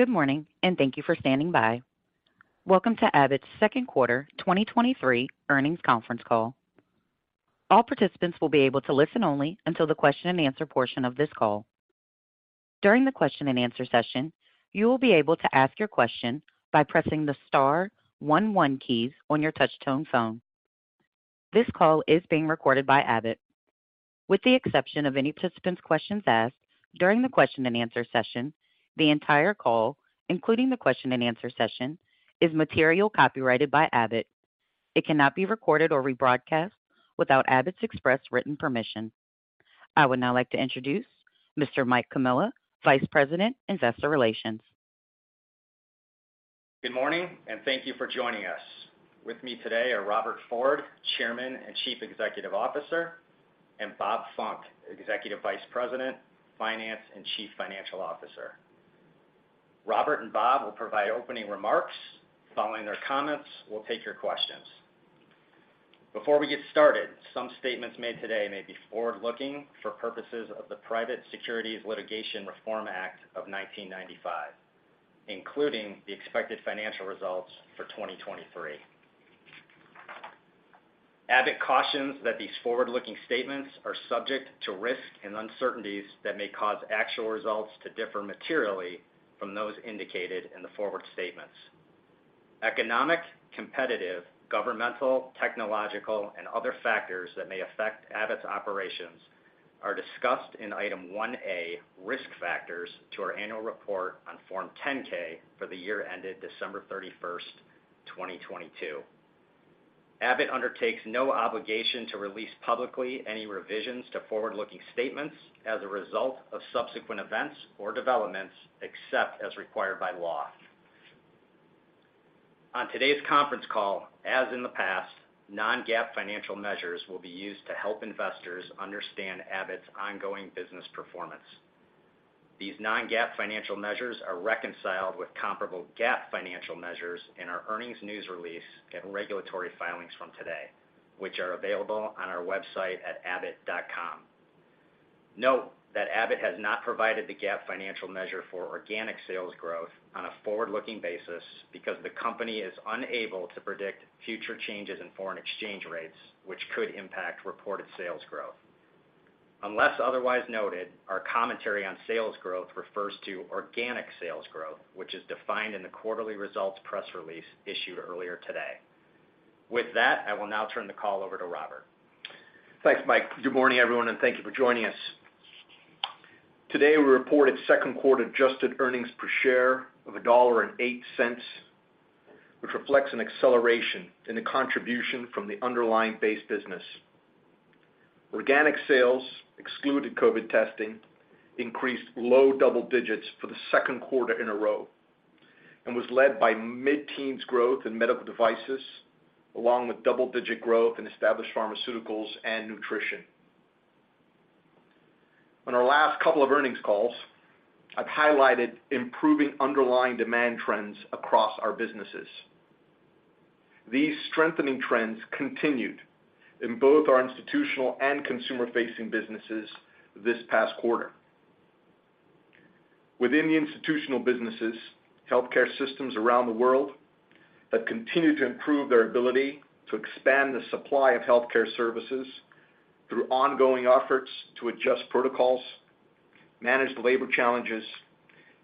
Good morning, thank you for standing by. Welcome to Abbott's second quarter 2023 earnings conference call. All participants will be able to listen only until the question and answer portion of this call. During the question and answer session, you will be able to ask your question by pressing the star one keys on your touchtone phone. This call is being recorded by Abbott. With the exception of any participant's questions asked during the question and answer session, the entire call, including the question and answer session, is material copyrighted by Abbott. It cannot be recorded or rebroadcast without Abbott's express written permission. I would now like to introduce Mr. Mike Comilla, Vice President, Investor Relations. Good morning, and thank you for joining us. With me today are Robert Ford, Chairman and Chief Executive Officer, and Robert Funck, Executive Vice President, Finance and Chief Financial Officer. Robert and Robert will provide opening remarks. Following their comments, we'll take your questions. Before we get started, some statements made today may be forward-looking for purposes of the Private Securities Litigation Reform Act of 1995, including the expected financial results for 2023. Abbott cautions that these forward-looking statements are subject to risks and uncertainties that may cause actual results to differ materially from those indicated in the forward statements. Economic, competitive, governmental, technological, and other factors that may affect Abbott's operations are discussed in Item 1A, Risk Factors, to our annual report on Form 10-K for the year ended December 31st, 2022. Abbott undertakes no obligation to release publicly any revisions to forward-looking statements as a result of subsequent events or developments, except as required by law. On today's conference call, as in the past, non-GAAP financial measures will be used to help investors understand Abbott's ongoing business performance. These non-GAAP financial measures are reconciled with comparable GAAP financial measures in our earnings news release and regulatory filings from today, which are available on our website at abbott.com. Note that Abbott has not provided the GAAP financial measure for organic sales growth on a forward-looking basis because the company is unable to predict future changes in foreign exchange rates, which could impact reported sales growth. Unless otherwise noted, our commentary on sales growth refers to organic sales growth, which is defined in the quarterly results press release issued earlier today. With that, I will now turn the call over to Robert. Thanks, Mike. Good morning, everyone, and thank you for joining us. Today, we reported second-quarter adjusted earnings per share of $1.08, which reflects an acceleration in the contribution from the underlying base business. Organic sales, excluded COVID testing, increased low double digits for the second quarter in a row and was led by mid-teens growth in medical devices, along with double-digit growth in established pharmaceuticals and nutrition. On our last couple of earnings calls, I've highlighted improving underlying demand trends across our businesses. These strengthening trends continued in both our institutional and consumer-facing businesses this past quarter. Within the institutional businesses, healthcare systems around the world have continued to improve their ability to expand the supply of healthcare services through ongoing efforts to adjust protocols, manage labor challenges,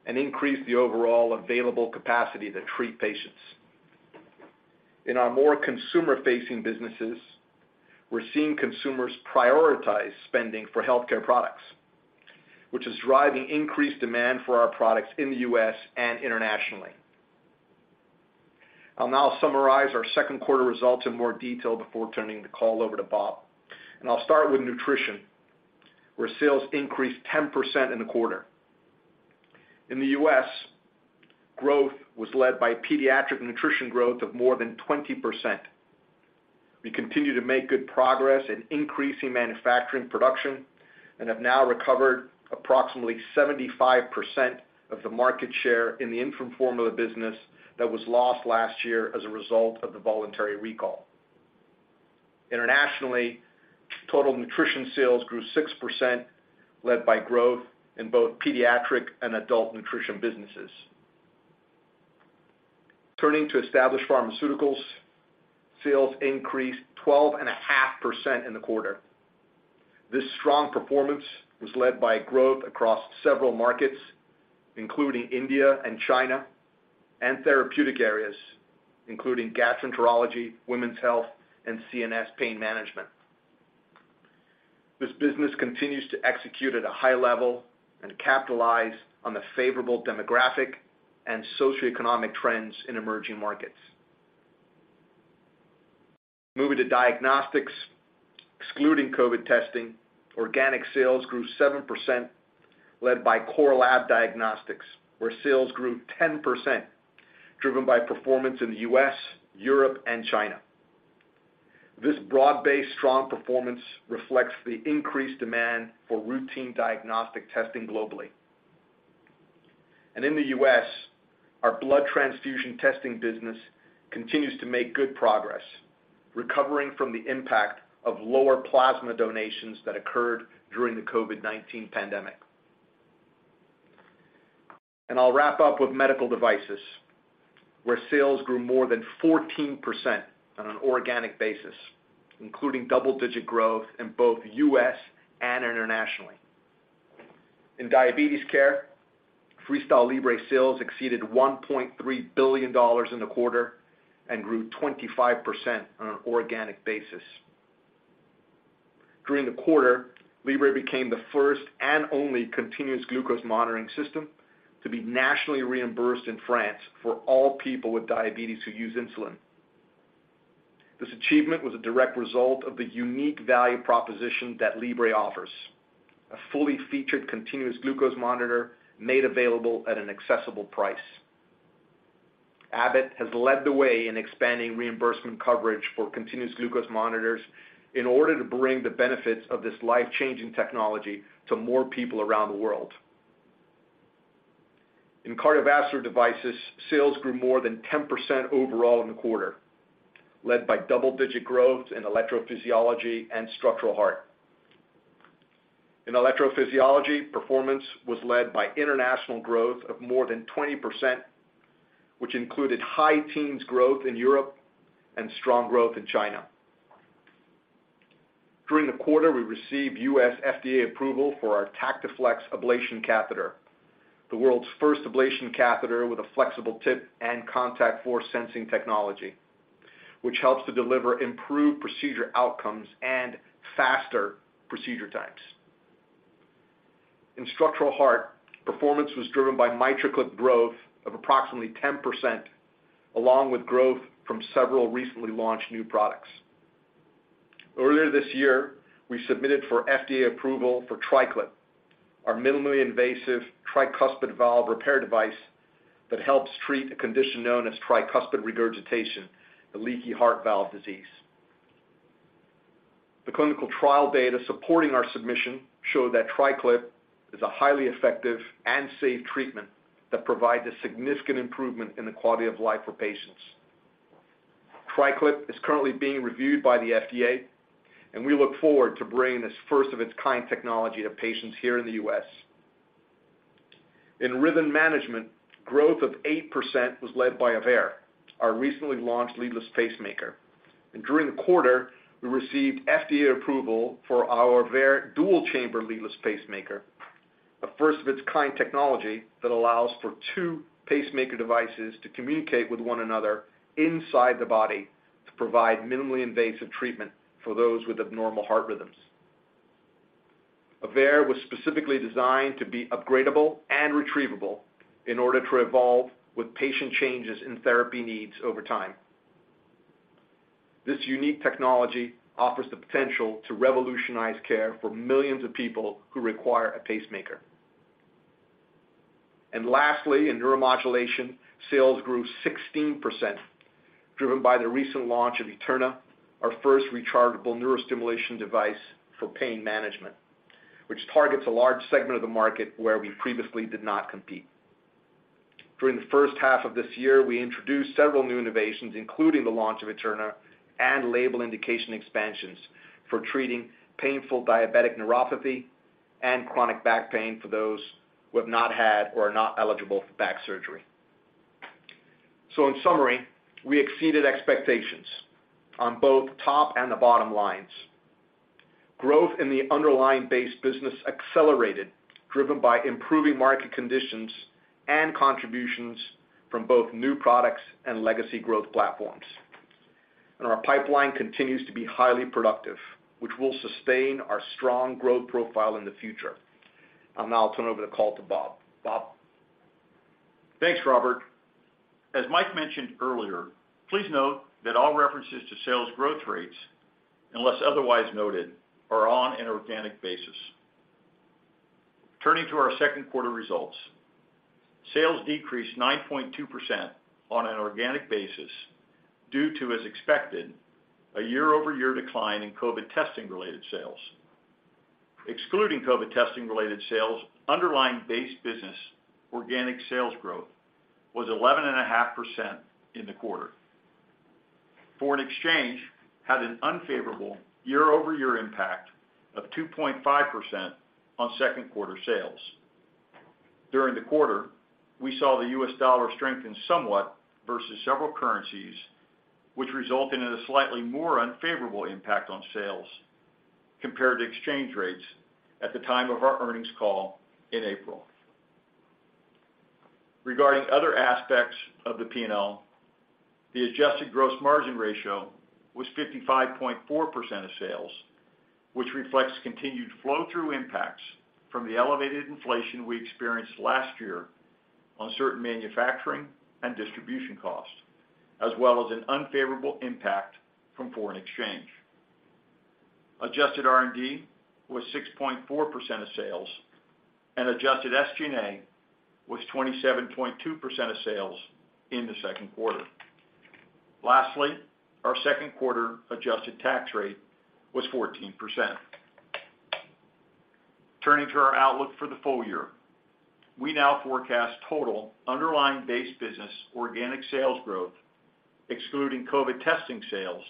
and increase the overall available capacity to treat patients. In our more consumer-facing businesses, we're seeing consumers prioritize spending for healthcare products, which is driving increased demand for our products in the U.S. and internationally. I'll now summarize our second quarter results in more detail before turning the call over to Robert. I'll start with nutrition, where sales increased 10% in the quarter. In the U.S., growth was led by pediatric nutrition growth of more than 20%. We continue to make good progress in increasing manufacturing production and have now recovered approximately 75% of the market share in the infant formula business that was lost last year as a result of the voluntary recall. Internationally, total nutrition sales grew 6%, led by growth in both pediatric and adult nutrition businesses. Turning to established pharmaceuticals, sales increased 12.5% in the quarter. This strong performance was led by growth across several markets, including India and China, and therapeutic areas, including gastroenterology, women's health, and CNS pain management. This business continues to execute at a high level and capitalize on the favorable demographic and socioeconomic trends in emerging markets. Moving to diagnostics, excluding COVID testing, organic sales grew 7%, led by core lab diagnostics, where sales grew 10%, driven by performance in the U.S., Europe, and China. This broad-based, strong performance reflects the increased demand for routine diagnostic testing globally. In the U.S., our blood transfusion testing business continues to make good progress recovering from the impact of lower plasma donations that occurred during the COVID-19 pandemic. I'll wrap up with medical devices, where sales grew more than 14% on an organic basis, including double-digit growth in both U.S. and internationally. In diabetes care, FreeStyle Libre sales exceeded $1.3 billion in the quarter and grew 25% on an organic basis. During the quarter, Libre became the first and only continuous glucose monitoring system to be nationally reimbursed in France for all people with diabetes who use insulin. This achievement was a direct result of the unique value proposition that Libre offers, a fully featured continuous glucose monitor made available at an accessible price. Abbott has led the way in expanding reimbursement coverage for continuous glucose monitors in order to bring the benefits of this life-changing technology to more people around the world. In cardiovascular devices, sales grew more than 10% overall in the quarter, led by double-digit growth in electrophysiology and structural heart. In electrophysiology, performance was led by international growth of more than 20%, which included high teens growth in Europe and strong growth in China. During the quarter, we received US FDA approval for our TactiFlex ablation catheter, the world's first ablation catheter with a flexible tip and contact force sensing technology, which helps to deliver improved procedure outcomes and faster procedure times. In structural heart, performance was driven by MitraClip growth of approximately 10%, along with growth from several recently launched new products. Earlier this year, we submitted for FDA approval for TriClip, our minimally invasive tricuspid valve repair device that helps treat a condition known as tricuspid regurgitation, the leaky heart valve disease. The clinical trial data supporting our submission showed that TriClip is a highly effective and safe treatment that provides a significant improvement in the quality of life for patients. TriClip is currently being reviewed by the FDA, and we look forward to bringing this first-of-its-kind technology to patients here in the U.S. In rhythm management, growth of 8% was led by AVEIR, our recently launched leadless pacemaker. During the quarter, we received FDA approval for our AVEIR dual-chamber leadless pacemaker, a first-of-its-kind technology that allows for two pacemaker devices to communicate with one another inside the body to provide minimally invasive treatment for those with abnormal heart rhythms. AVEIR was specifically designed to be upgradable and retrievable in order to evolve with patient changes in therapy needs over time. This unique technology offers the potential to revolutionize care for millions of people who require a pacemaker. Lastly, in neuromodulation, sales grew 16%, driven by the recent launch of Eterna, our first rechargeable neurostimulation device for pain management, which targets a large segment of the market where we previously did not compete. During the first half of this year, we introduced several new innovations, including the launch of Eterna and label indication expansions for treating painful diabetic neuropathy and chronic back pain for those who have not had or are not eligible for back surgery. In summary, we exceeded expectations on both top and the bottom lines. Growth in the underlying base business accelerated, driven by improving market conditions and contributions from both new products and legacy growth platforms. Our pipeline continues to be highly productive, which will sustain our strong growth profile in the future. I'll now turn over the call to Robert. Robert? Thanks, Robert. As Mike mentioned earlier, please note that all references to sales growth rates, unless otherwise noted, are on an organic basis. Turning to our second quarter results, sales decreased 9.2% on an organic basis due to, as expected, a year-over-year decline in COVID testing-related sales. Excluding COVID testing-related sales, underlying base business organic sales growth was 11.5% in the quarter. Foreign exchange had an unfavorable year-over-year impact of 2.5% on second quarter sales. During the quarter, we saw the US dollar strengthen somewhat versus several currencies, which resulted in a slightly more unfavorable impact on sales compared to exchange rates at the time of our earnings call in April. Regarding other aspects of the P&L, the Adjusted Gross Margin ratio was 55.4% of sales, which reflects continued flow-through impacts from the elevated inflation we experienced last year on certain manufacturing and distribution costs, as well as an unfavorable impact from foreign exchange. Adjusted R&D was 6.4% of sales, Adjusted SG&A was 27.2% of sales in the second quarter. Lastly, our second quarter adjusted tax rate was 14%. Turning to our outlook for the full year, we now forecast total underlying base business organic sales growth, excluding COVID testing sales,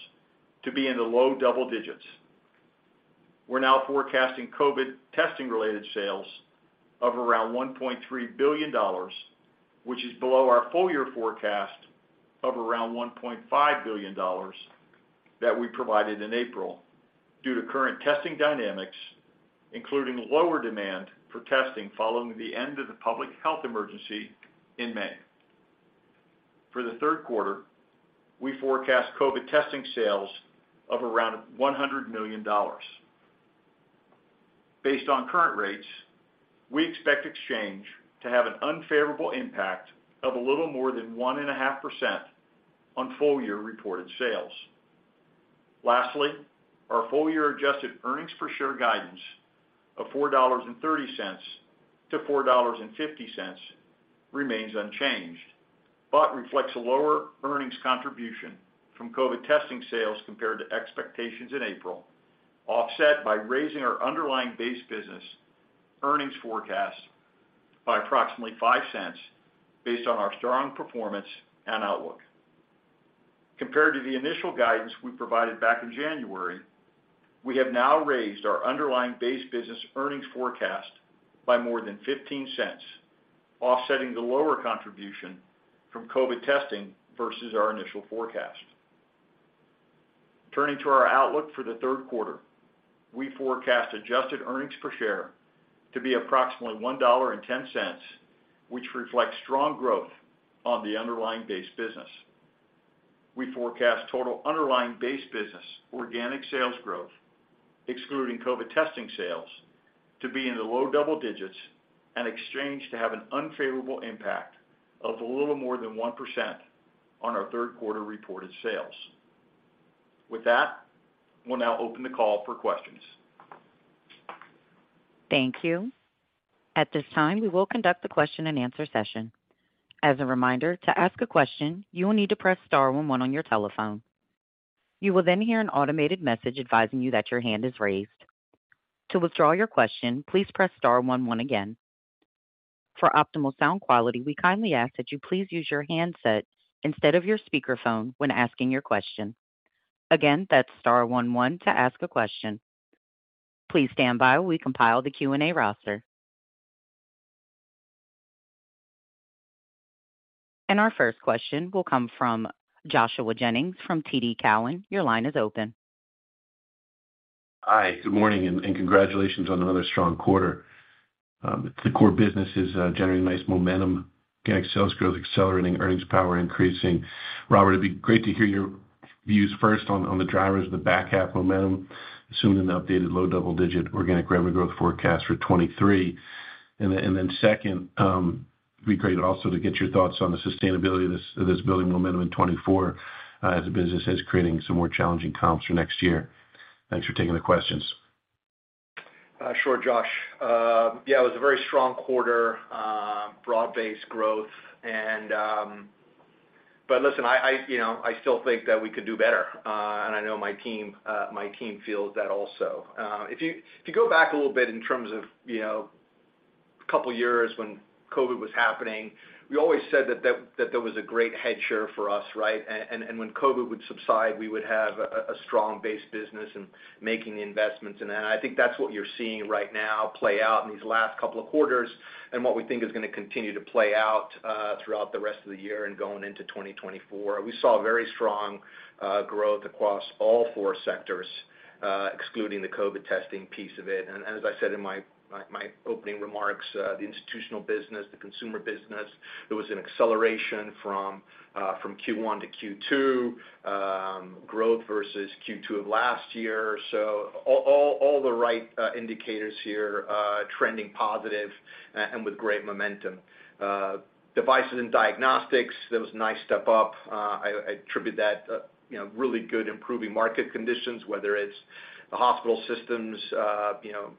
to be in the low double digits. We're now forecasting COVID testing-related sales of around $1.3 billion, which is below our full year forecast of around $1.5 billion that we provided in April, due to current testing dynamics, including lower demand for testing following the end of the public health emergency in May. For the third quarter, we forecast COVID testing sales of around $100 million. Based on current rates, we expect exchange to have an unfavorable impact of a little more than 1.5% on full year reported sales. Our full year Adjusted EPS guidance of $4.30-$4.50 remains unchanged, but reflects a lower earnings contribution from COVID testing sales compared to expectations in April, offset by raising our underlying base business earnings forecast by approximately $0.05 based on our strong performance and outlook. Compared to the initial guidance we provided back in January, we have now raised our underlying base business earnings forecast by more than $0.15, offsetting the lower contribution from COVID testing versus our initial forecast. Turning to our outlook for the third quarter, we forecast adjusted EPS to be approximately $1.10, which reflects strong growth on the underlying base business. We forecast total underlying base business organic sales growth, excluding COVID testing sales, to be in the low double digits and exchange to have an unfavorable impact of a little more than 1% on our third quarter reported sales. With that, we'll now open the call for questions. Thank you. At this time, we will conduct the question-and-answer session. As a reminder, to ask a question, you will need to press star one one on your telephone. You will then hear an automated message advising you that your hand is raised. To withdraw your question, please press star one one again. For optimal sound quality, we kindly ask that you please use your handset instead of your speakerphone when asking your question. Again, that's star one one to ask a question. Please stand by we compile the Q&A roster. Our first question will come from Joshua Jennings from TD Cowen. Your line is open. Hi, good morning, and congratulations on another strong quarter. The core business is generating nice momentum, organic sales growth accelerating, earnings power increasing. Robert, it'd be great to hear your views first on the drivers of the back half momentum, assuming an updated low double-digit organic revenue growth forecast for 2023. Then second, it'd be great also to get your thoughts on the sustainability of this building momentum in 2024 as the business is creating some more challenging comps for next year. Thanks for taking the questions. Sure, Joshua. Yeah, it was a very strong quarter, broad-based growth. Listen, I, you know, I still think that we could do better, and I know my team feels that also. If you go back a little bit in terms of, you know, a couple of years when COVID was happening, we always said that there was a great head share for us, right? And when COVID would subside, we would have a strong base business and making the investments in that. I think that's what you're seeing right now play out in these last couple of quarters and what we think is going to continue to play out throughout the rest of the year and going into 2024. We saw very strong growth across all four sectors, excluding the COVID testing piece of it. As I said in my opening remarks, the institutional business, the consumer business, there was an acceleration from Q1 to Q2, growth versus Q2 of last year. All the right indicators here, trending positive and with great momentum. Devices and diagnostics, there was a nice step up. I attribute that, you know, really good improving market conditions, whether it's the hospital systems, you know,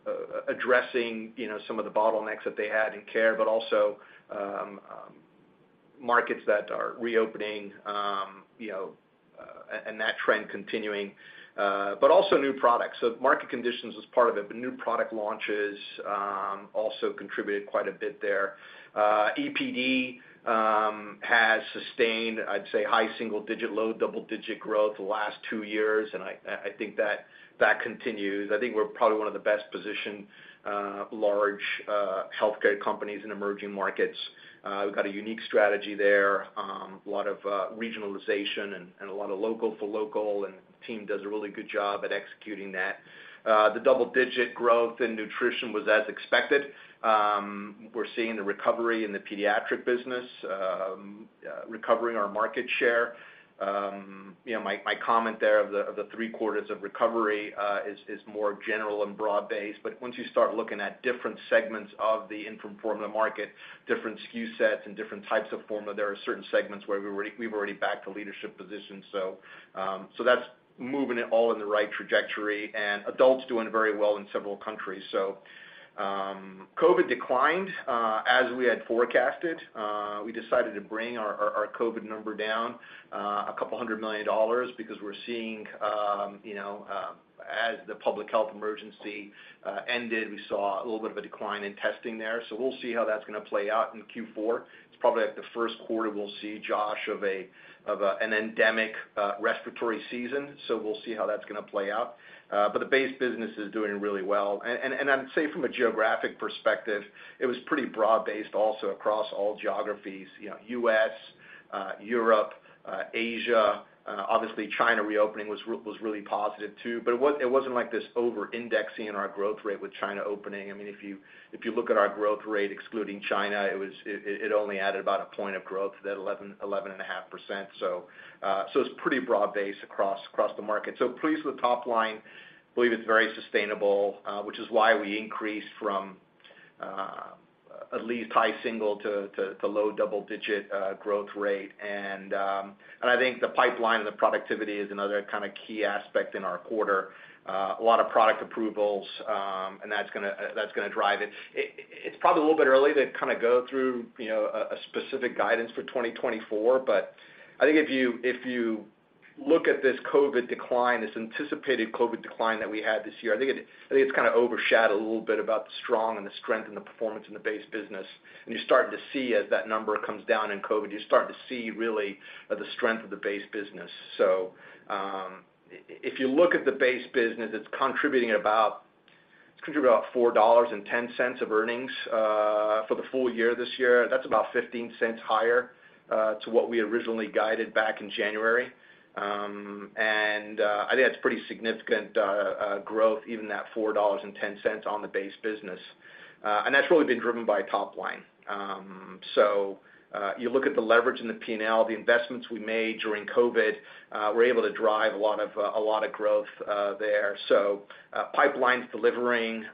addressing, you know, some of the bottlenecks that they had in care, but also markets that are reopening, you know, and that trend continuing, but also new products. Market conditions is part of it, but new product launches also contributed quite a bit there. EPD has sustained, I'd say, high single-digit, low double-digit growth the last two years, and I think that continues. I think we're probably one of the best-positioned large healthcare companies in emerging markets. We've got a unique strategy there, a lot of regionalization and a lot of local for local, and the team does a really good job at executing that. The double-digit growth in nutrition was as expected. We're seeing the recovery in the pediatric business, recovering our market share. You know, my comment there of the three quarters of recovery is more general and broad-based. Once you start looking at different segments of the infant formula market, different SKU sets and different types of formula, there are certain segments where we've already back to leadership positions. That's moving it all in the right trajectory, and adults doing very well in several countries. COVID declined, as we had forecasted. We decided to bring our COVID number down $200 million because we're seeing, you know, as the public health emergency ended, we saw a little bit of a decline in testing there. We'll see how that's going to play out in Q4. It's probably like the first quarter, we'll see, Joshua, of an endemic respiratory season, so we'll see how that's going to play out. The base business is doing really well. I'd say from a geographic perspective, it was pretty broad-based also across all geographies, you know, U.S., Europe, Asia. Obviously, China reopening was really positive, too, but it wasn't like this over-indexing in our growth rate with China opening. I mean, if you look at our growth rate, excluding China, it only added about a point of growth, that 11%, 11.5%. It's pretty broad-based across the market. Pleased with the top line. Believe it's very sustainable, which is why we increased from at least high single to low double-digit growth rate. I think the pipeline and the productivity is another kind of key aspect in our quarter. A lot of product approvals, and that's gonna drive it. It's probably a little bit early to kind of go through, you know, a specific guidance for 2024, but I think if you, if you look at this COVID decline, this anticipated COVID decline that we had this year, I think it's kind of overshadowed a little bit about the strong and the strength and the performance in the base business. You're starting to see as that number comes down in COVID, you're starting to see really the strength of the base business. If you look at the base business, it's contributing about $4.10 of earnings for the full year this year. That's about 15 cents higher to what we originally guided back in January. I think that's pretty significant growth, even that $4.10 on the base business. That's really been driven by top line. You look at the leverage in the P&L, the investments we made during COVID, we're able to drive a lot of a lot of growth there. Pipeline's delivering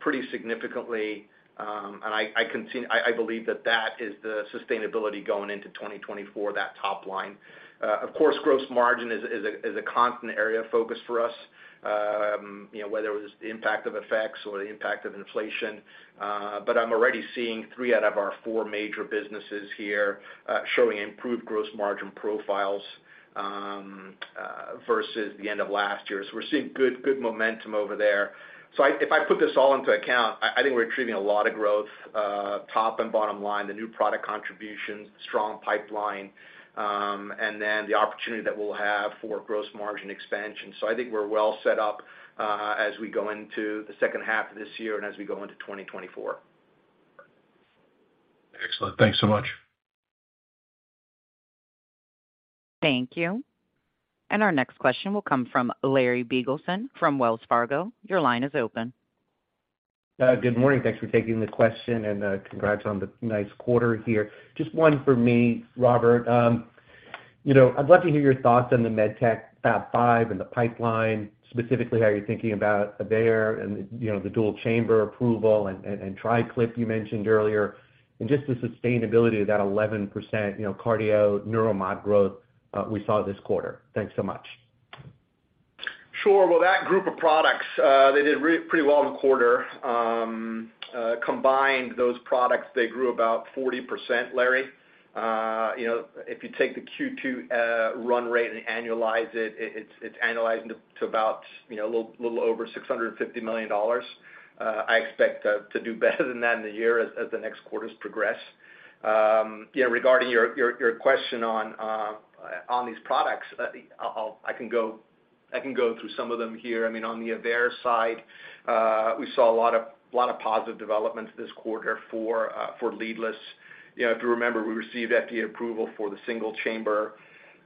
pretty significantly, and I believe that that is the sustainability going into 2024, that top line. Of course, gross margin is a constant area of focus for us, you know, whether it was the impact of effects or the impact of inflation, but I'm already seeing three out of our four major businesses here, showing improved gross margin profiles versus the end of last year. We're seeing good momentum over there. If I put this all into account, I think we're achieving a lot of growth, top and bottom line, the new product contributions, strong pipeline, and then the opportunity that we'll have for Gross Margin Expansion. I think we're well set up as we go into the second half of this year and as we go into 2024. Excellent. Thanks so much. Thank you. Our next question will come from Lawrence Biegelsen from Wells Fargo. Your line is open. Good morning. Thanks for taking the question, and congrats on the nice quarter here. Just one for me, Robert. You know, I'd love to hear your thoughts on the MedTech top five and the pipeline, specifically, how you're thinking about AVEIR and, you know, the dual chamber approval and TriClip you mentioned earlier, and just the sustainability of that 11%, you know, cardio neuromod growth we saw this quarter. Thanks so much. Sure. Well, that group of products, they did pretty well in the quarter. Combined those products, they grew about 40%, Lawrence. You know, if you take the Q2 run rate and annualize it's annualizing to about, you know, a little over $650 million. I expect to do better than that in a year as the next quarters progress. You know, regarding your question on these products, I can go through some of them here. I mean, on the AVEIR side, we saw a lot of positive developments this quarter for leadless. You know, if you remember, we received FDA approval for the single chamber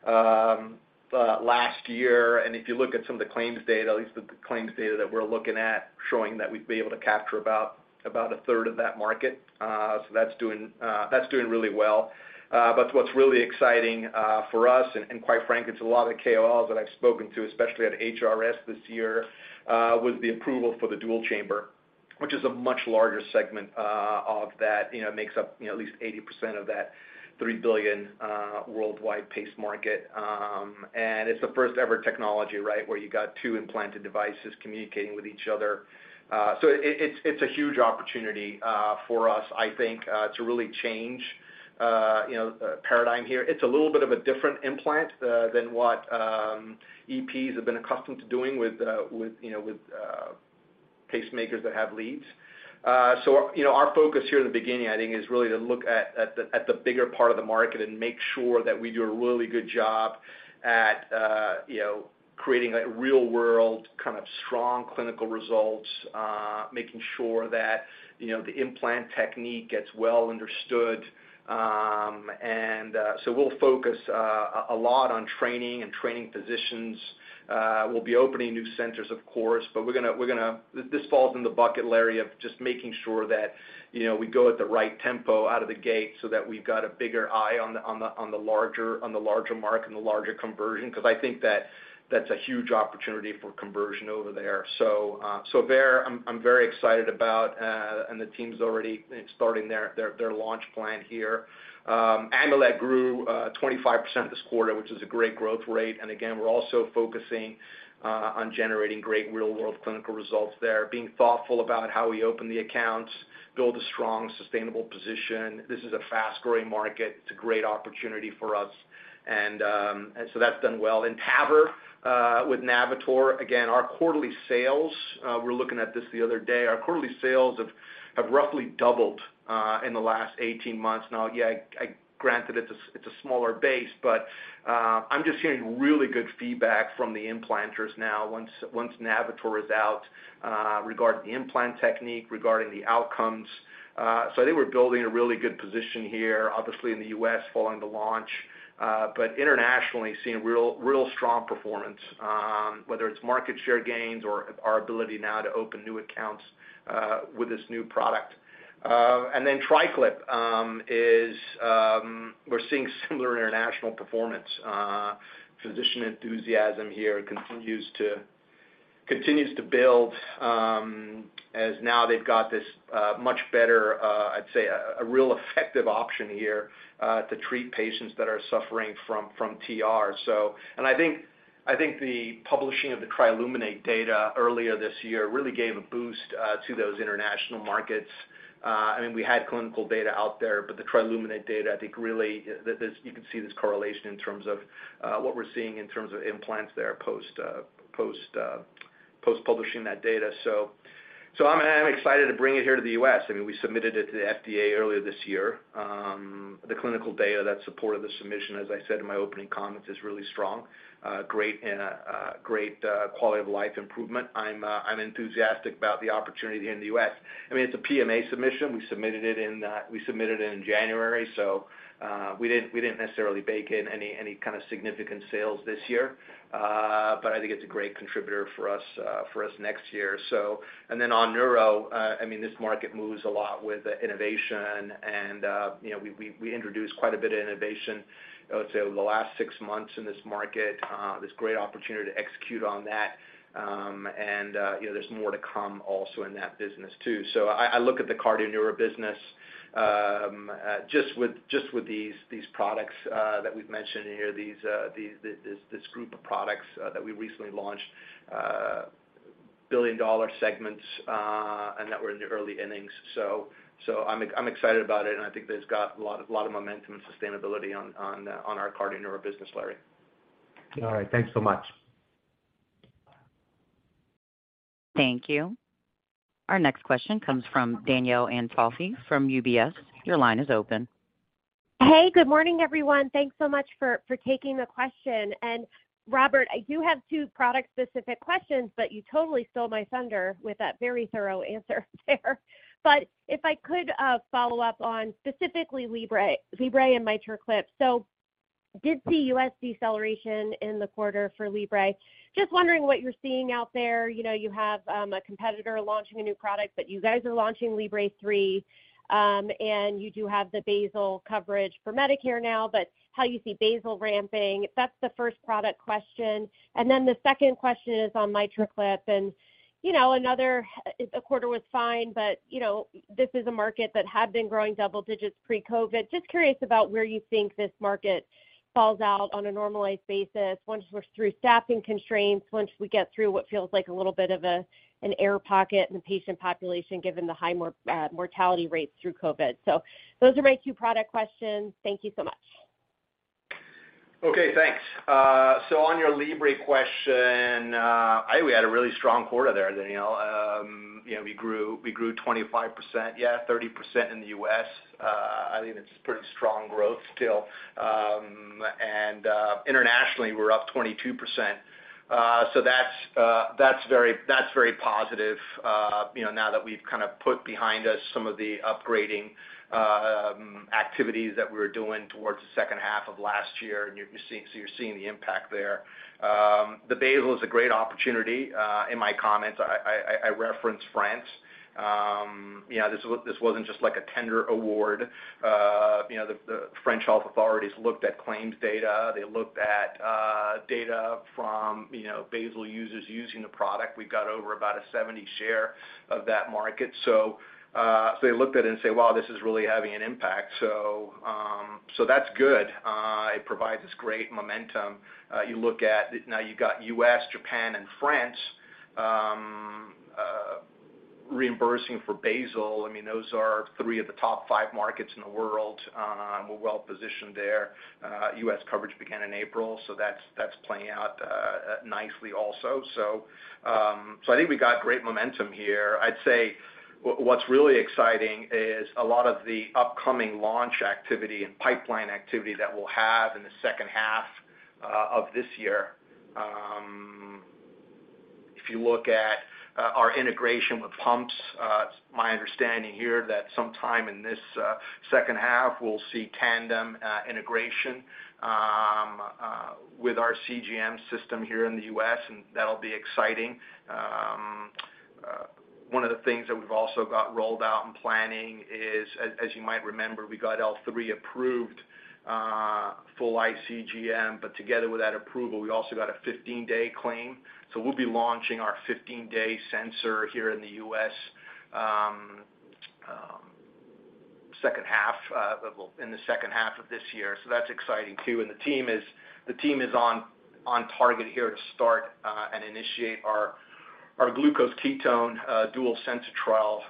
last year. If you look at some of the claims data, at least the claims data that we're looking at, showing that we'd be able to capture about a third of that market. That's doing really well. What's really exciting for us, and quite frankly, it's a lot of the KOLs that I've spoken to, especially at HRS this year, was the approval for the dual chamber, which is a much larger segment of that, you know, makes up, you know, at least 80% of that $3 billion worldwide pace market. It's the first-ever technology, right, where you got two implanted devices communicating with each other. It's a huge opportunity for us, I think, to really change, you know, the paradigm here. It's a little bit of a different implant than what EPs have been accustomed to doing with, you know, with pacemakers that have leads. You know, our focus here in the beginning, I think, is really to look at the bigger part of the market and make sure that we do a really good job at, you know, creating a real-world, kind of strong clinical results, making sure that, you know, the implant technique gets well understood. We'll focus a lot on training and training physicians. We'll be opening new centers, of course, but we're gonna... This falls in the bucket, Lawrence, of just making sure that, you know, we go at the right tempo out of the gate so that we've got a bigger eye on the larger market and the larger conversion, because I think that that's a huge opportunity for conversion over there. There, I'm very excited about, and the team's already starting their launch plan here. Amulet grew 25% this quarter, which is a great growth rate. Again, we're also focusing on generating great real-world clinical results there, being thoughtful about how we open the accounts, build a strong, sustainable position. This is a fast-growing market. It's a great opportunity for us. That's done well. In TAVR, with Navitor, again, our quarterly sales, we're looking at this the other day, our quarterly sales have roughly doubled in the last 18 months now. Yeah, I, granted it's a, it's a smaller base, but, I'm just hearing really good feedback from the implanters now, once Navitor is out, regarding the implant technique, regarding the outcomes. I think we're building a really good position here, obviously, in the U.S., following the launch, but internationally, seeing real strong performance, whether it's market share gains or our ability now to open new accounts, with this new product. TriClip, is, we're seeing similar international performance. Physician enthusiasm here continues to build, as now they've got this much better, I'd say, a real effective option here to treat patients that are suffering from TR. I think the publishing of the TRILUMINATE data earlier this year really gave a boost to those international markets. I mean, we had clinical data out there, but the TRILUMINATE data, I think, really, you can see this correlation in terms of what we're seeing in terms of implants there, post-publishing that data. I'm excited to bring it here to the U.S. I mean, we submitted it to the FDA earlier this year. The clinical data that supported the submission, as I said in my opening comments, is really strong, great and great quality of life improvement. I'm enthusiastic about the opportunity here in the U.S. I mean, it's a PMA submission. We submitted it in January, so we didn't necessarily bake in any kind of significant sales this year. I think it's a great contributor for us, for us next year. On neuro, I mean, this market moves a lot with innovation and, you know, we introduced quite a bit of innovation, I would say, over the last six months in this market. There's great opportunity to execute on that. You know, there's more to come also in that business, too. I look at the cardio neuro business, just with these products that we've mentioned here, these, the, this group of products that we recently launched, billion-dollar segments, and that we're in the early innings. I'm excited about it, and I think that it's got a lot of momentum and sustainability on our cardio neuro business, Lawrence. All right. Thanks so much. Thank you. Our next question comes from Danielle Antalffy from UBS. Your line is open. Hey, good morning, everyone. Thanks so much for taking the question. Robert, I do have two product-specific questions, but you totally stole my thunder with that very thorough answer there. If I could follow up on specifically Libre and MitraClip. Did see US deceleration in the quarter for Libre. Just wondering what you're seeing out there. You know, you have a competitor launching a new product, but you guys are launching Libre 3, and you do have the basal coverage for Medicare now, how you see basal ramping? That's the first product question. The second question is on MitraClip, you know, another, the quarter was fine, but, you know, this is a market that had been growing double digits pre-COVID. Just curious about where you think this market falls out on a normalized basis once we're through staffing constraints, once we get through what feels like an air pocket in the patient population, given the high mortality rates through COVID. Those are my two product questions. Thank you so much. Okay, thanks. On your Libre question, I think we had a really strong quarter there, Danielle. You know, we grew 25%, yeah, 30% in the U.S. I think it's pretty strong growth still. Internationally, we're up 22%. That's very positive. You know, now that we've kind of put behind us some of the upgrading activities that we were doing towards the second half of last year, so you're seeing the impact there. The basal is a great opportunity. In my comments, I referenced France. You know, this wasn't just like a tender award. You know, the French health authorities looked at claims data. They looked at data from, you know, basal users using the product. We've got over about a 70 share of that market. They looked at it and say, "Wow, this is really having an impact." That's good. It provides this great momentum. Now you've got U.S., Japan, and France reimbursing for basal. I mean, those are three of the top five markets in the world, and we're well positioned there. US coverage began in April, so that's playing out nicely also. I think we got great momentum here. I'd say what's really exciting is a lot of the upcoming launch activity and pipeline activity that we'll have in the second half of this year. If you look at our integration with pumps, it's my understanding here that sometime in this second half, we'll see Tandem integration with our CGM system here in the U.S., and that'll be exciting. One of the things that we've also got rolled out in planning is, as you might remember, we got L3 approved, full iCGM, but together with that approval, we also got a 15-day claim. We'll be launching our 15-day sensor here in the U.S. second half, well, in the second half of this year. That's exciting, too. The team is on target here to start and initiate our glucose ketone dual sensor trial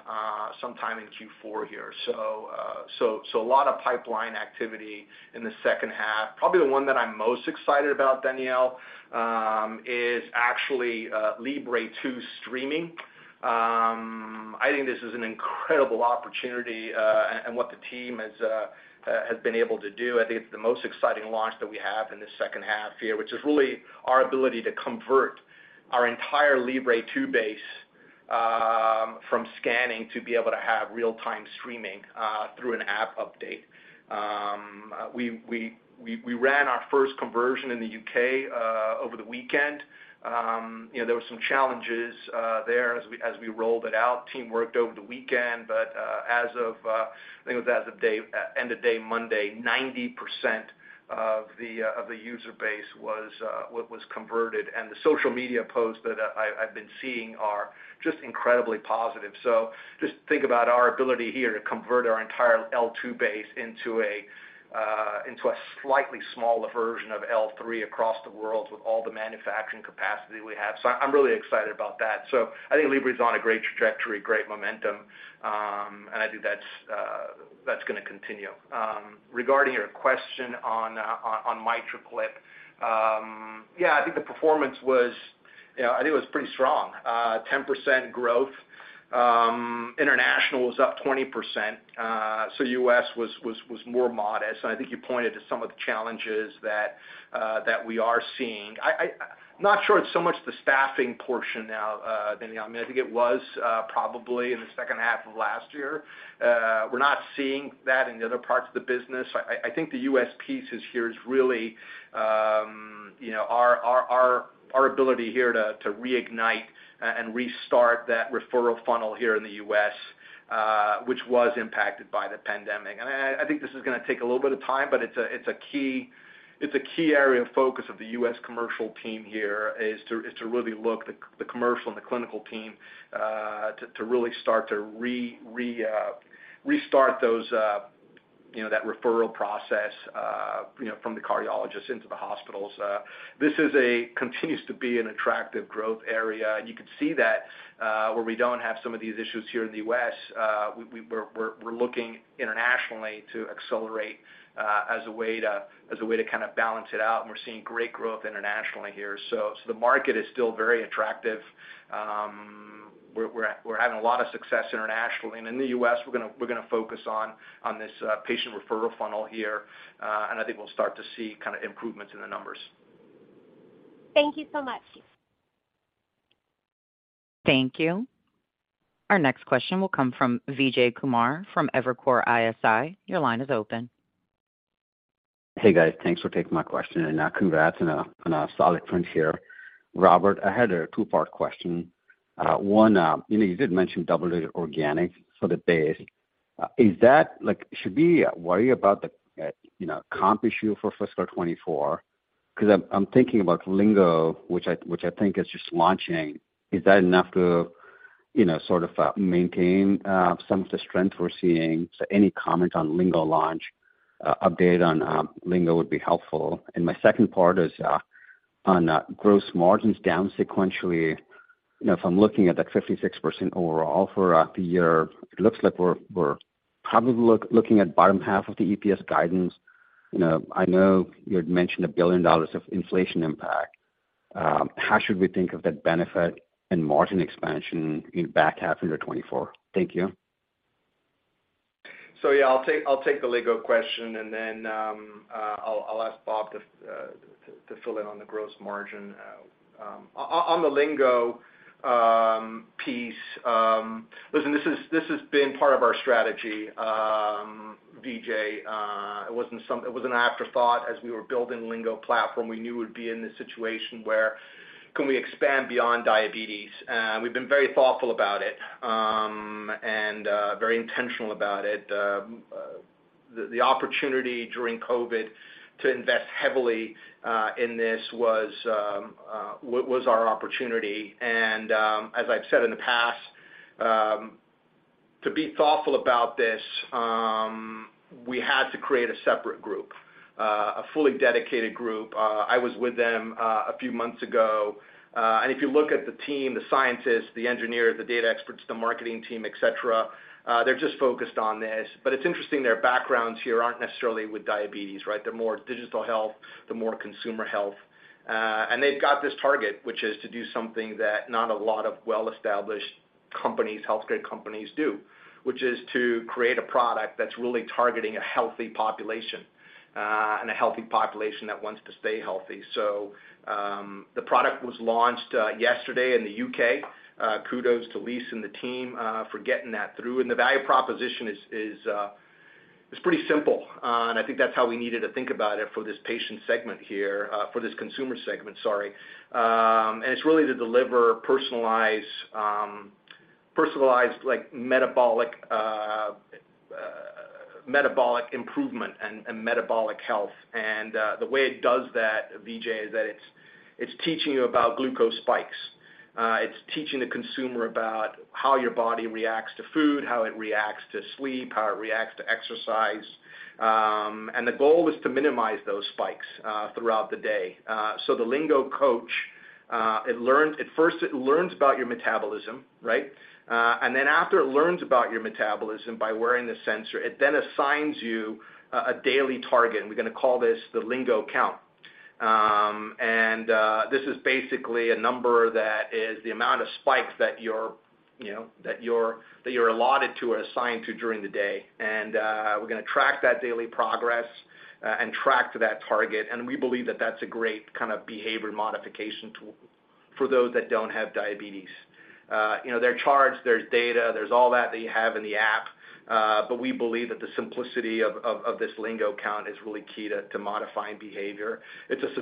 sometime in Q4 here. A lot of pipeline activity in the second half. Probably the one that I'm most excited about, Danielle, is actually Libre 2 streaming. I think this is an incredible opportunity, and what the team has been able to do. I think it's the most exciting launch that we have in this second half here, which is really our ability to convert our entire Libre 2 base, from scanning, to be able to have real-time streaming, through an app update. We ran our first conversion in the U.K., over the weekend. You know, there were some challenges there as we rolled it out. Team worked over the weekend, but as of, I think it was as of end of day Monday, 90% of the user base was converted, and the social media posts that I've been seeing are just incredibly positive. Just think about our ability here to convert our entire L2 base into a slightly smaller version of L3 across the world with all the manufacturing capacity we have. I'm really excited about that. I think Libre is on a great trajectory, great momentum, and I think that's gonna continue. Regarding your question on MitraClip, yeah, I think the performance was, you know, I think it was pretty strong. 10% growth. International was up 20%, U.S. was more modest. I think you pointed to some of the challenges that we are seeing. I not sure it's so much the staffing portion now than I think it was probably in the second half of last year. We're not seeing that in the other parts of the business. I think the US piece here is really, you know, our ability here to reignite and restart that referral funnel here in the U.S., which was impacted by the pandemic. I think this is gonna take a little bit of time, but it's a key area of focus of the US commercial team here, is to really look the commercial and the clinical team, to really start to restart those, you know, that referral process, you know, from the cardiologists into the hospitals. This continues to be an attractive growth area. You can see that, where we don't have some of these issues here in the U.S., we're looking internationally to accelerate, as a way to kind of balance it out. We're seeing great growth internationally here. The market is still very attractive. We're having a lot of success internationally. In the U.S., we're gonna focus on this patient referral funnel here, and I think we'll start to see kind of improvements in the numbers. Thank you so much. Thank you. Our next question will come from Vijay Kumar from Evercore ISI. Your line is open. Hey, guys. Thanks for taking my question, and congrats on a solid print here. Robert, I had a two-part question. One, you know, you did mention double-digit organic for the base. Is that, like, should we worry about the, you know, comp issue for fiscal 2024? Because I'm thinking about Lingo, which I, which I think is just launching. Is that enough to, you know, sort of maintain some of the strength we're seeing? So any comment on Lingo launch, update on Lingo would be helpful. My second part is on gross margins down sequentially. You know, if I'm looking at that 56% overall for the year, it looks like we're probably looking at bottom half of the EPS guidance. You know, I know you had mentioned $1 billion of inflation impact. How should we think of that benefit and margin expansion in back half in the 2024? Thank you. Yeah, I'll take the Lingo question, and then I'll ask Robert Funck to fill in on the gross margin. On the Lingo piece, listen, this has been part of our strategy, Vijay. It was an afterthought as we were building Lingo platform. We knew we'd be in this situation where, can we expand beyond diabetes? We've been very thoughtful about it, and very intentional about it. The opportunity during COVID to invest heavily in this was our opportunity. As I've said in the past, to be thoughtful about this, we had to create a separate group, a fully dedicated group. I was with them a few months ago. If you look at the team, the scientists, the engineers, the data experts, the marketing team, et cetera, they're just focused on this. It's interesting, their backgrounds here aren't necessarily with diabetes, right? They're more digital health, they're more consumer health. They've got this target, which is to do something that not a lot of well-established companies, healthcare companies do, which is to create a product that's really targeting a healthy population, and a healthy population that wants to stay healthy. The product was launched yesterday in the U.K. Kudos to Lise and the team for getting that through. The value proposition is pretty simple, and I think that's how we needed to think about it for this patient segment here, for this consumer segment, sorry. And it's really to deliver personalized, like, metabolic improvement and metabolic health. The way it does that, Vijay, it's teaching you about glucose spikes. It's teaching the consumer about how your body reacts to food, how it reacts to sleep, how it reacts to exercise. The goal is to minimize those spikes throughout the day. The Lingo Coach, it first learns about your metabolism, right? After it learns about your metabolism by wearing the sensor, it then assigns you a daily target, and we're going to call this the Lingo Count. This is basically a number that is the amount of spikes that you're, you know, allotted to or assigned to during the day. We're going to track that daily progress and track to that target. We believe that that's a great kind of behavior modification tool for those that don't have diabetes. You know, they're charged, there's data, there's all that that you have in the app, but we believe that the simplicity of this Lingo Count is really key to modifying behavior. It's a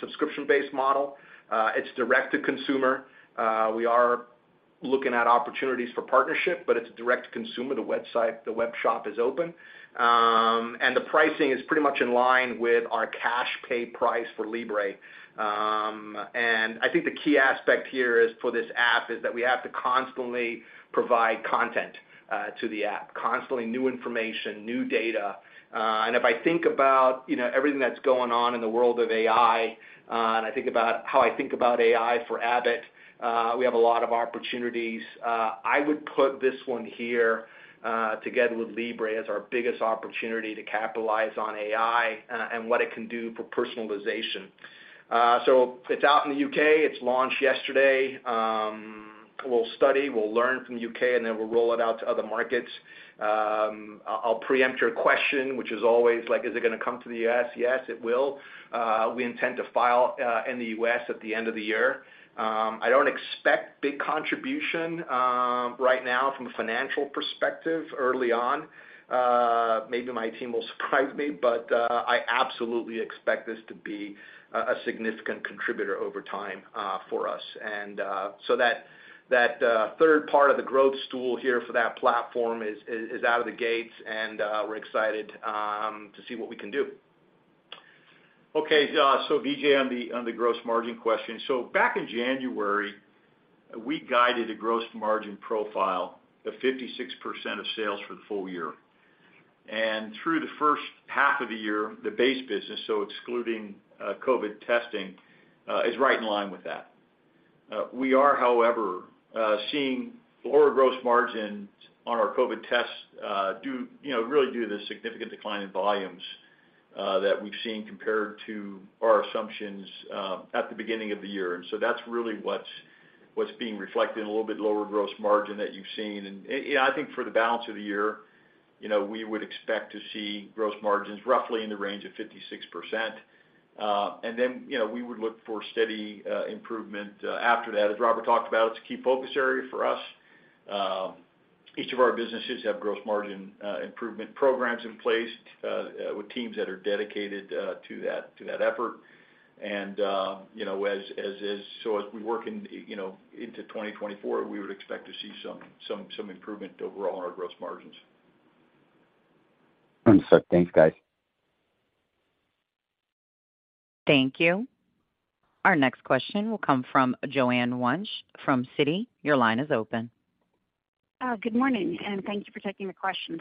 subscription-based model. It's direct-to-consumer. We are looking at opportunities for partnership, but it's direct-to-consumer. The website, the webshop is open. The pricing is pretty much in line with our cash pay price for Libre. I think the key aspect here is for this app is that we have to constantly provide content to the app, constantly new information, new data. If I think about, you know, everything that's going on in the world of AI, and I think about how I think about AI for Abbott, we have a lot of opportunities. I would put this one here, together with Libre as our biggest opportunity to capitalize on AI, and what it can do for personalization. It's out in the U.K. It's launched yesterday. We'll study, we'll learn from the U.K., and then we'll roll it out to other markets. I'll preempt your question, which is always like, "Is it going to come to the U.S.?" Yes, it will. We intend to file in the U.S. at the end of the year. I don't expect big contribution right now from a financial perspective early on. Maybe my team will surprise me, but I absolutely expect this to be a significant contributor over time for us. That, that third part of the growth stool here for that platform is out of the gates, and we're excited to see what we can do. Vijay, on the Gross Margin question. Back in January, we guided a gross margin profile of 56% of sales for the full year. Through the first half of the year, the base business, so excluding COVID testing, is right in line with that. We are, however, seeing lower gross margins on our COVID tests, due, you know, really due to the significant decline in volumes that we've seen compared to our assumptions at the beginning of the year. That's really what's being reflected in a little bit lower gross margin that you've seen. I think for the balance of the year, you know, we would expect to see gross margins roughly in the range of 56%. Then, you know, we would look for steady improvement after that. As Robert talked about, it's a key focus area for us. Each of our businesses have gross margin improvement programs in place with teams that are dedicated to that effort. You know, as... As we work in, you know, into 2024, we would expect to see some improvement overall in our gross margins. Thanks, guys. Thank you. Our next question will come from Joanne Wuensch from Citi. Your line is open. Good morning, thank you for taking the questions.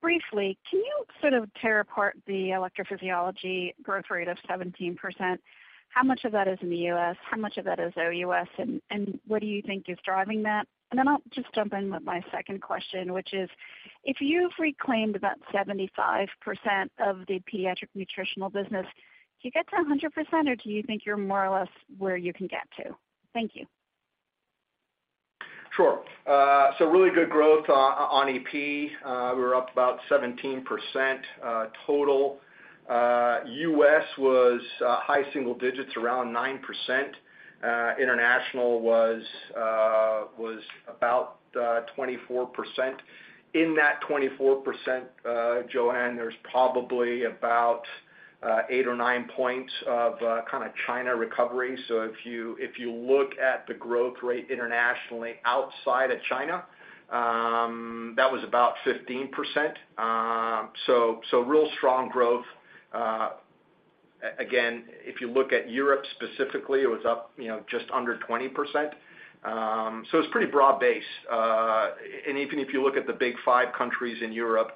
Briefly, can you sort of tear apart the electrophysiology growth rate of 17%? How much of that is in the U.S.? How much of that is OUS, and what do you think is driving that? I'll just jump in with my second question, which is: if you've reclaimed about 75% of the pediatric nutritional business, do you get to 100%, or do you think you're more or less where you can get to? Thank you. Sure. Really good growth on EP. We were up about 17% total. U.S. was high single digits, around 9%. International was about 24%. In that 24%, Joanne, there's probably about eight or nine points of kind of China recovery. If you look at the growth rate internationally outside of China, that was about 15%. Real strong growth. Again, if you look at Europe specifically, it was up, you know, just under 20%. It's pretty broad base. Even if you look at the Big 5 countries in Europe,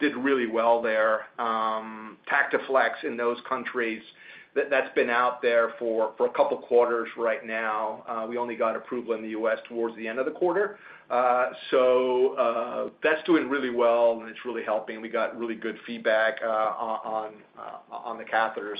did really well there. TactiFlex in those countries, that's been out there for a couple of quarters right now. We only got approval in the U.S. towards the end of the quarter. That's doing really well, and it's really helping. We got really good feedback on the catheter.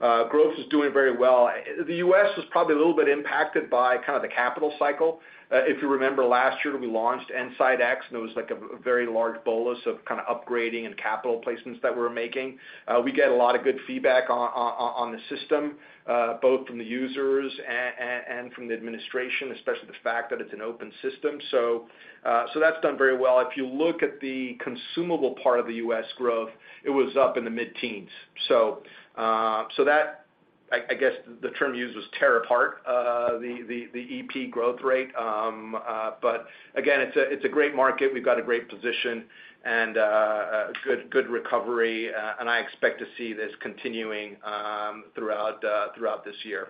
Growth is doing very well. The U.S. is probably a little bit impacted by kind of the capital cycle. If you remember last year, we launched EnSite X, and it was like a very large bolus of kind of upgrading and capital placements that we were making. We get a lot of good feedback on the system, both from the users and from the administration, especially the fact that it's an open system. That's done very well. If you look at the consumable part of the US growth, it was up in the mid-teens. I guess, the term used was tear apart, the EP growth rate. Again, it's a great market. We've got a great position and a good recovery, and I expect to see this continuing throughout this year.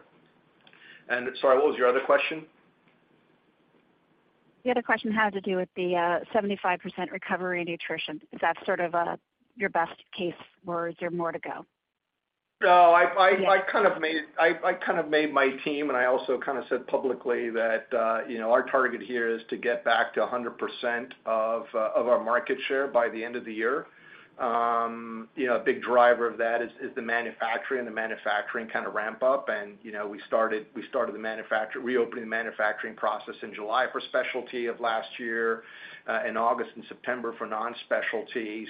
Sorry, what was your other question?... The other question had to do with the 75% recovery in Nutrition. Is that sort of, your best case, or is there more to go? No, I kind of made, I kind of made my team, and I also kind of said publicly that, you know, our target here is to get back to 100% of our market share by the end of the year. You know, a big driver of that is the manufacturing and the manufacturing kind of ramp up. You know, we started, we started the reopening the manufacturing process in July for specialty of last year, in August and September for non-specialty.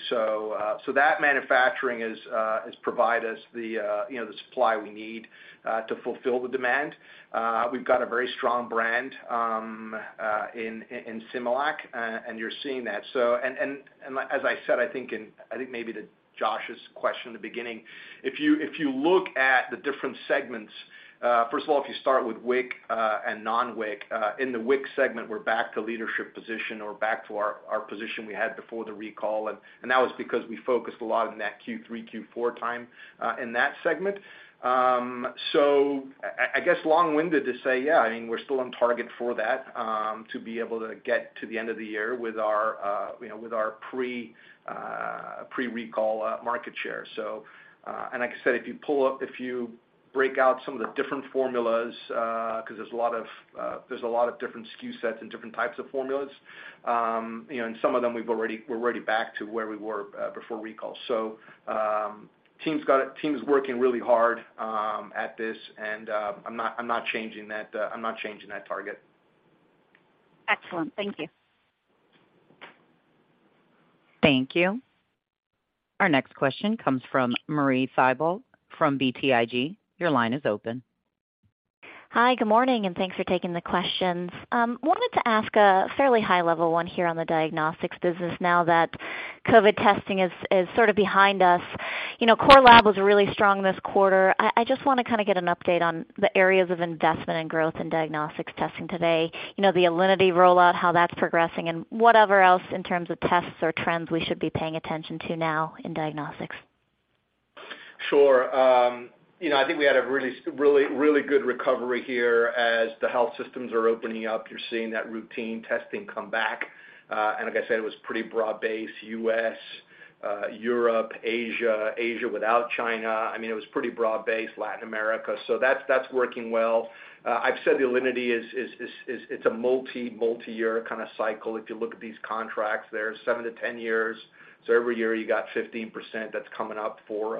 That manufacturing is, has provided us the, you know, the supply we need to fulfill the demand. We've got a very strong brand, in Similac, and you're seeing that. As I said, I think in, I think maybe the Joshua's question in the beginning, if you, if you look at the different segments, first of all, if you start with WIC, and non-WIC, in the WIC segment, we're back to leadership position or back to our position we had before the recall, and that was because we focused a lot on that Q3, Q4 time, in that segment. I guess, long-winded to say, yeah, I mean, we're still on target for that, to be able to get to the end of the year with our, you know, with our pre-recall, market share. Like I said, if you pull up... If you break out some of the different formulas, because there's a lot of, there's a lot of different SKU sets and different types of formulas, you know, and some of them we've already, we're already back to where we were, before recall. Team's got it, team's working really hard at this, and I'm not, I'm not changing that, I'm not changing that target. Excellent. Thank you. Thank you. Our next question comes from Marie Thibault from BTIG. Your line is open. Hi, good morning, and thanks for taking the questions. Wanted to ask a fairly high-level one here on the Diagnostics business now that COVID testing is sort of behind us. You know, Core Lab was really strong this quarter. I just want to kind of get an update on the areas of investment and growth in diagnostics testing today. You know, the Alinity rollout, how that's progressing, and whatever else in terms of tests or trends we should be paying attention to now in Diagnostics. Sure. You know, I think we had a really good recovery here. As the health systems are opening up, you're seeing that routine testing come back. Like I said, it was pretty broad-based, U.S., Europe, Asia without China. I mean, it was pretty broad-based, Latin America. That's working well. I've said the Alinity is, it's a multiyear kind of cycle. If you look at these contracts, they're 7-10 years, so every year you got 15% that's coming up for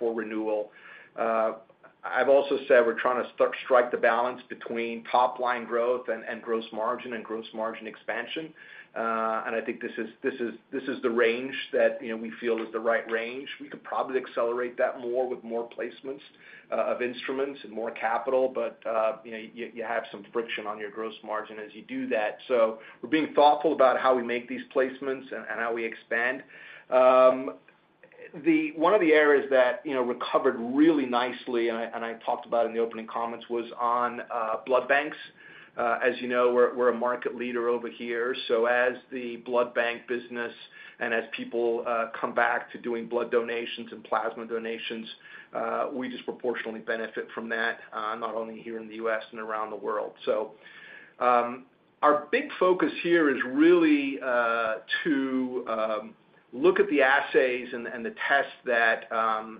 renewal. I've also said we're trying to strike the balance between top line growth and gross margin and Gross Margin Expansion. I think this is the range that, you know, we feel is the right range. We could probably accelerate that more with more placements of instruments and more capital, but, you know, you have some friction on your gross margin as you do that. We're being thoughtful about how we make these placements and how we expand. One of the areas that, you know, recovered really nicely, and I, and I talked about in the opening comments, was on blood banks. As you know, we're a market leader over here. As the blood bank business and as people come back to doing blood donations and plasma donations, we just proportionally benefit from that, not only here in the U.S. and around the world. Our big focus here is really to look at the assays and the tests that,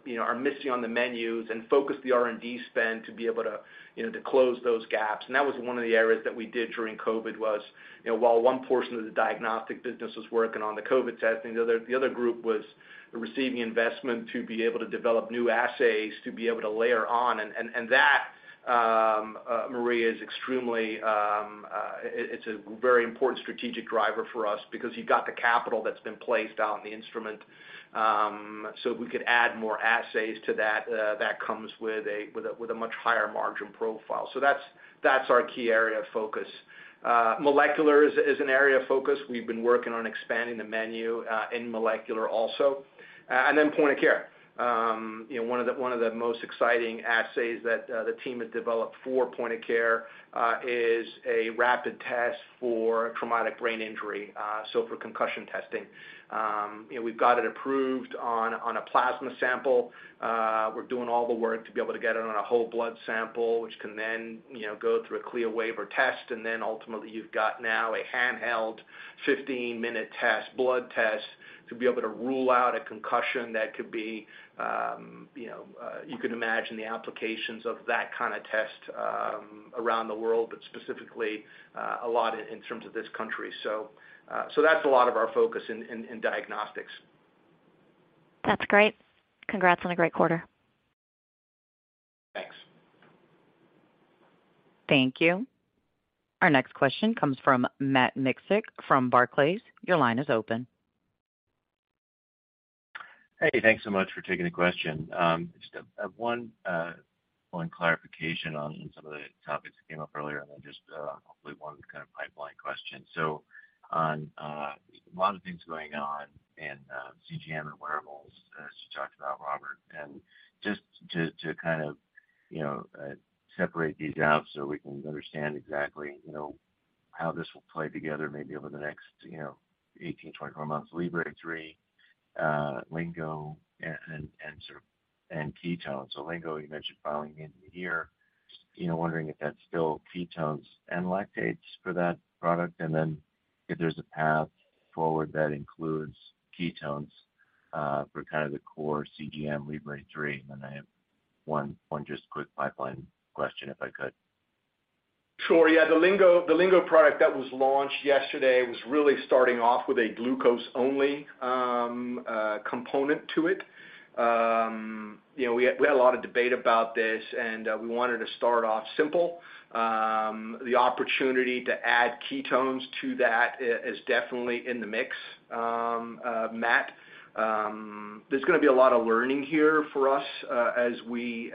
you know, are missing on the menus and focus the R&D spend to be able to, you know, to close those gaps. That was one of the areas that we did during COVID, was, you know, while one portion of the diagnostic business was working on the COVID testing, the other group was receiving investment to be able to develop new assays, to be able to layer on. That Marie, is extremely, it's a very important strategic driver for us because you've got the capital that's been placed out in the instrument. We could add more assays to that. That comes with a much higher margin profile. That's our key area of focus. Molecular is an area of focus. We've been working on expanding the menu in molecular also. Point of care. You know, one of the most exciting assays that the team has developed for point of care is a rapid test for traumatic brain injury, so for concussion testing. You know, we've got it approved on a plasma sample. We're doing all the work to be able to get it on a whole blood sample, which can then, you know, go through a CLIA waiver test. Ultimately, you've got now a handheld 15-minute test, blood test, to be able to rule out a concussion that could be, you know, you can imagine the applications of that kind of test around the world, but specifically, a lot in terms of this country. That's a lot of our focus in diagnostics. That's great. Congrats on a great quarter. Thanks. Thank you. Our next question comes from Matt Miksic from Barclays. Your line is open. Hey, thanks so much for taking the question. Just have one clarification on some of the topics that came up earlier and then just hopefully one kind of pipeline question. On a lot of things going on in CGM and wearables, as you talked about, Robert, and just to kind of, you know, separate these out so we can understand exactly, you know, how this will play together maybe over the next, you know, 18, 24 months, Libre 3, Lingo and Ketone. Lingo, you mentioned filing into the year. You know, wondering if that's still ketones and lactates for that product, and then if there's a path forward that includes ketones, for kind of the core CGM Libre 3. I have one just quick pipeline question, if I could. Sure. Yeah, the Lingo product that was launched yesterday was really starting off with a glucose-only component to it. You know, we had a lot of debate about this, and we wanted to start off simple. The opportunity to add ketones to that is definitely in the mix, Matt. There's gonna be a lot of learning here for us, as we,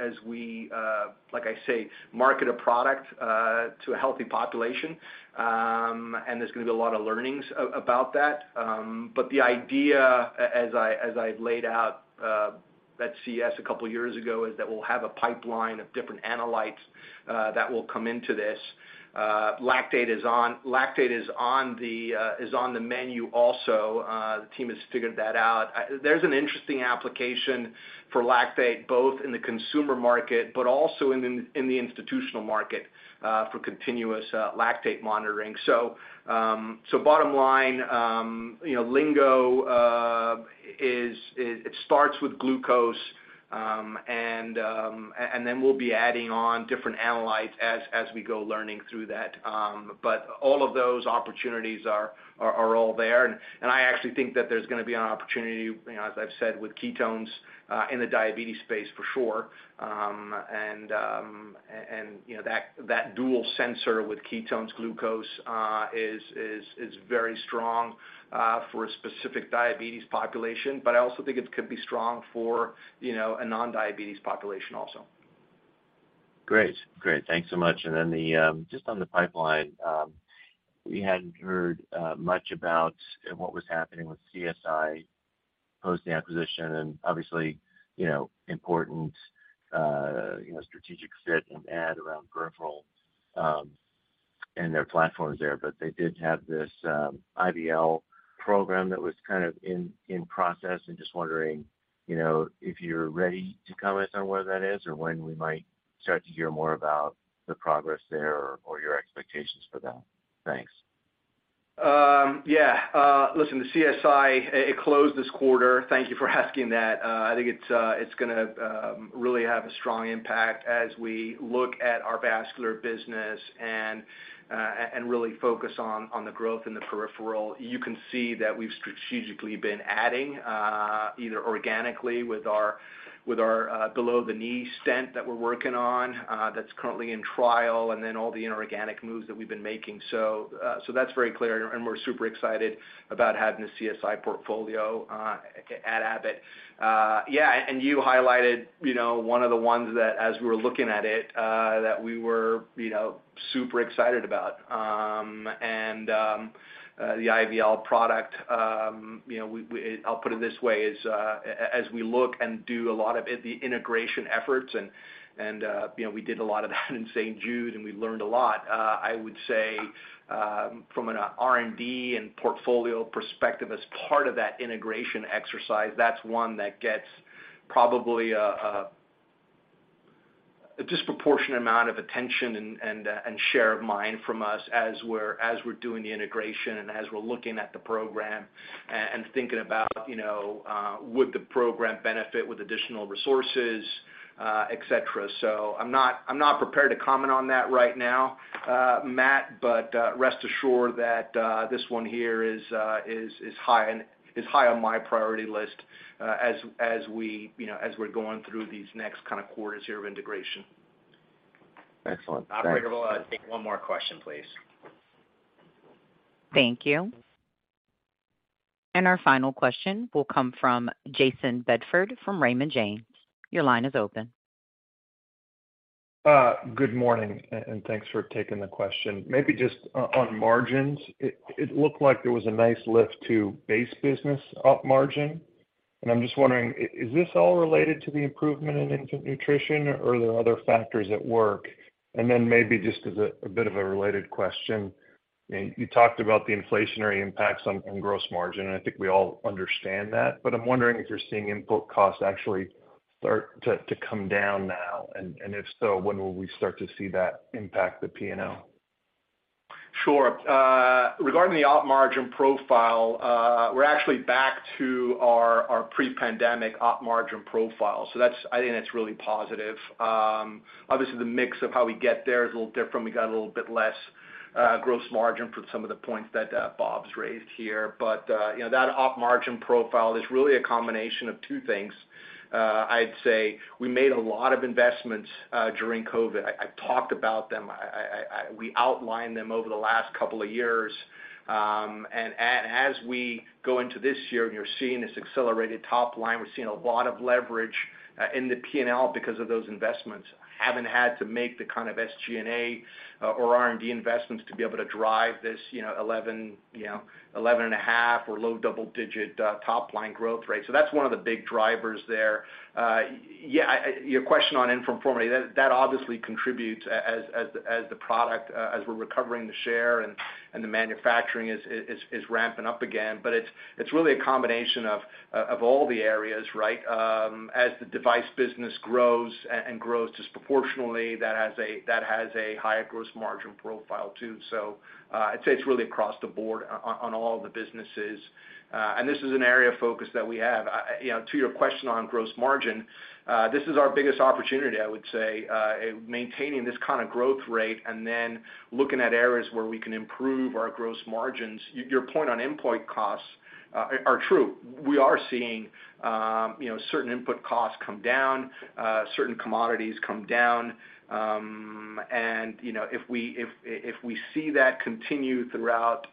like I say, market a product to a healthy population. There's gonna be a lot of learnings about that. The idea as I've laid out at CES a couple years ago, is that we'll have a pipeline of different analytes that will come into this. Lactate is on the menu also. The team has figured that out. There's an interesting application for lactate, both in the consumer market, but also in the institutional market, for continuous lactate monitoring. Bottom line, you know, Lingo, it starts with glucose, and then we'll be adding on different analytes as we go learning through that. All of those opportunities are all there. I actually think that there's gonna be an opportunity, you know, as I've said, with ketones, in the diabetes space for sure. You know, that dual sensor with ketones, glucose, is very strong for a specific diabetes population, but I also think it could be strong for, you know, a non-diabetes population also. Great. Great, thanks so much. Then the just on the pipeline, we hadn't heard much about what was happening with CSI post the acquisition, and obviously, you know, important, you know, strategic fit and add around peripheral, and their platforms there. They did have this IVL program that was kind of in process, and just wondering, you know, if you're ready to comment on where that is, or when we might start to hear more about the progress there or your expectations for that? Thanks. Listen, the CSI, it closed this quarter. Thank you for asking that. I think it's gonna really have a strong impact as we look at our vascular business and really focus on the growth in the peripheral. You can see that we've strategically been adding either organically with our, with our below-the-knee stent that we're working on, that's currently in trial, and then all the inorganic moves that we've been making. That's very clear, and we're super excited about having the CSI portfolio at Abbott. You highlighted, you know, one of the ones that, as we were looking at it, that we were, you know, super excited about. The IVL product, you know, I'll put it this way, is, as we look and do a lot of the integration efforts, and, you know, we did a lot of that in St. Jude, and we learned a lot. I would say, from an R&D and portfolio perspective, as part of that integration exercise, that's one that gets probably a disproportionate amount of attention and share of mind from us as we're doing the integration and as we're looking at the program and thinking about, you know, would the program benefit with additional resources, et cetera. I'm not prepared to comment on that right now, Matt, but rest assured that this one here is high on my priority list as we, you know, as we're going through these next kind of quarters here of integration. Excellent. Operator, we'll take one more question, please. Thank you. Our final question will come from Jayson Bedford, from Raymond James. Your line is open. Good morning, and thanks for taking the question. Maybe just on margins. It looked like there was a nice lift to base business op margin, and I'm just wondering, is this all related to the improvement in infant nutrition, or are there other factors at work? Then maybe just as a bit of a related question, you talked about the inflationary impacts on gross margin, and I think we all understand that, but I'm wondering if you're seeing input costs actually start to come down now, and if so, when will we start to see that impact the P&L? Sure. Regarding the op margin profile, we're actually back to our pre-pandemic op margin profile. I think that's really positive. Obviously, the mix of how we get there is a little different. We got a little bit less gross margin from some of the points that Robert's raised here. You know, that op margin profile is really a combination of two things. I'd say we made a lot of investments during COVID. I talked about them. We outlined them over the last couple of years. As we go into this year, and you're seeing this accelerated top line, we're seeing a lot of leverage in the P&L because of those investments. Haven't had to make the kind of SG&A or R&D investments to be able to drive this, you know, 11, you know, 11 and a half or low double-digit top-line growth rate. That's one of the big drivers there. Yeah, your question on infamil formula, that obviously contributes as the product as we're recovering the share and the manufacturing is ramping up again. It's really a combination of all the areas, right? As the device business grows and grows disproportionately, that has a higher gross margin profile too. I'd say it's really across the board on all the businesses. And this is an area of focus that we have. You know, to your question on gross margin, this is our biggest opportunity, I would say, maintaining this kind of growth rate and then looking at areas where we can improve our gross margins. Your point on input costs are true. We are seeing, you know, certain input costs come down, certain commodities come down. You know, if we see that continue throughout,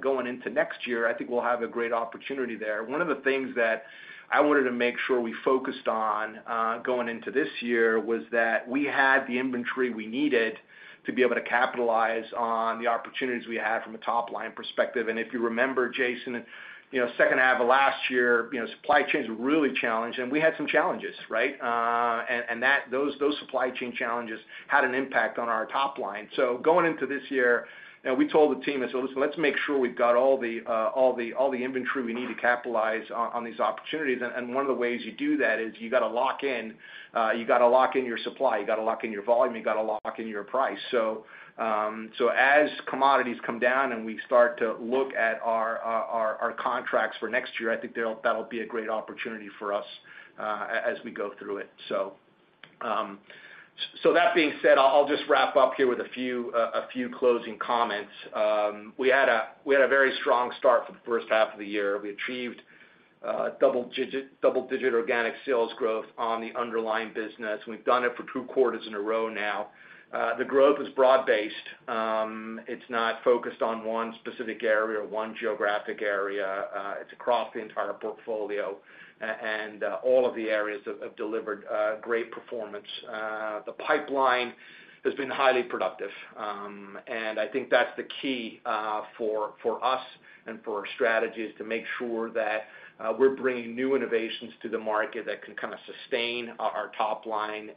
going into next year, I think we'll have a great opportunity there. One of the things that I wanted to make sure we focused on, going into this year, was that we had the inventory we needed to be able to capitalize on the opportunities we had from a top-line perspective. If you remember, Jayson, you know, second half of last year, you know, supply chains were really challenged, and we had some challenges, right? Those supply chain challenges had an impact on our top line. Going into this year, you know, we told the team, I said, "Listen, let's make sure we've got all the inventory we need to capitalize on these opportunities." One of the ways you do that is you gotta lock in, you gotta lock in your supply, you gotta lock in your volume, you gotta lock in your price. As commodities come down and we start to look at our contracts for next year, I think that'll be a great opportunity for us as we go through it. That being said, I'll just wrap up here with a few closing comments. We had a very strong start for the first half of the year. We achieved double-digit organic sales growth on the underlying business, and we've done it for two quarters in a row now. The growth is broad-based. It's not focused on one specific area or one geographic area. It's across the entire portfolio, and all of the areas have delivered great performance. The pipeline has been highly productive. I think that's the key for us and for our strategy, is to make sure that we're bringing new innovations to the market that can kind of sustain our top line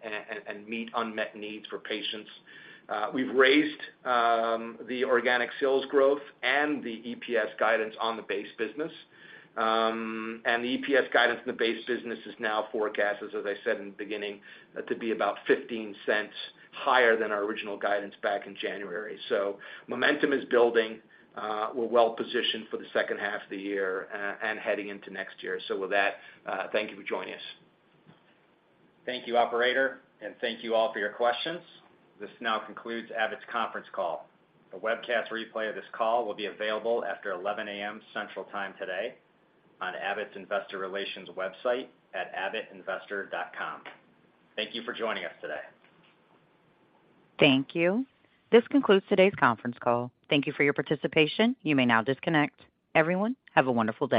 and meet unmet needs for patients. We've raised the organic sales growth and the EPS guidance on the base business. The EPS guidance on the base business is now forecast, as I said in the beginning, to be about $0.15 higher than our original guidance back in January. Momentum is building. We're well positioned for the second half of the year, and heading into next year. With that, thank you for joining us. Thank you, operator, and thank you all for your questions. This now concludes Abbott's conference call. A webcast replay of this call will be available after 11:00 A.M. Central Time today on Abbott's Investor Relations website at abbottinvestor.com. Thank you for joining us today. Thank you. This concludes today's conference call. Thank you for your participation. You may now disconnect. Everyone, have a wonderful day.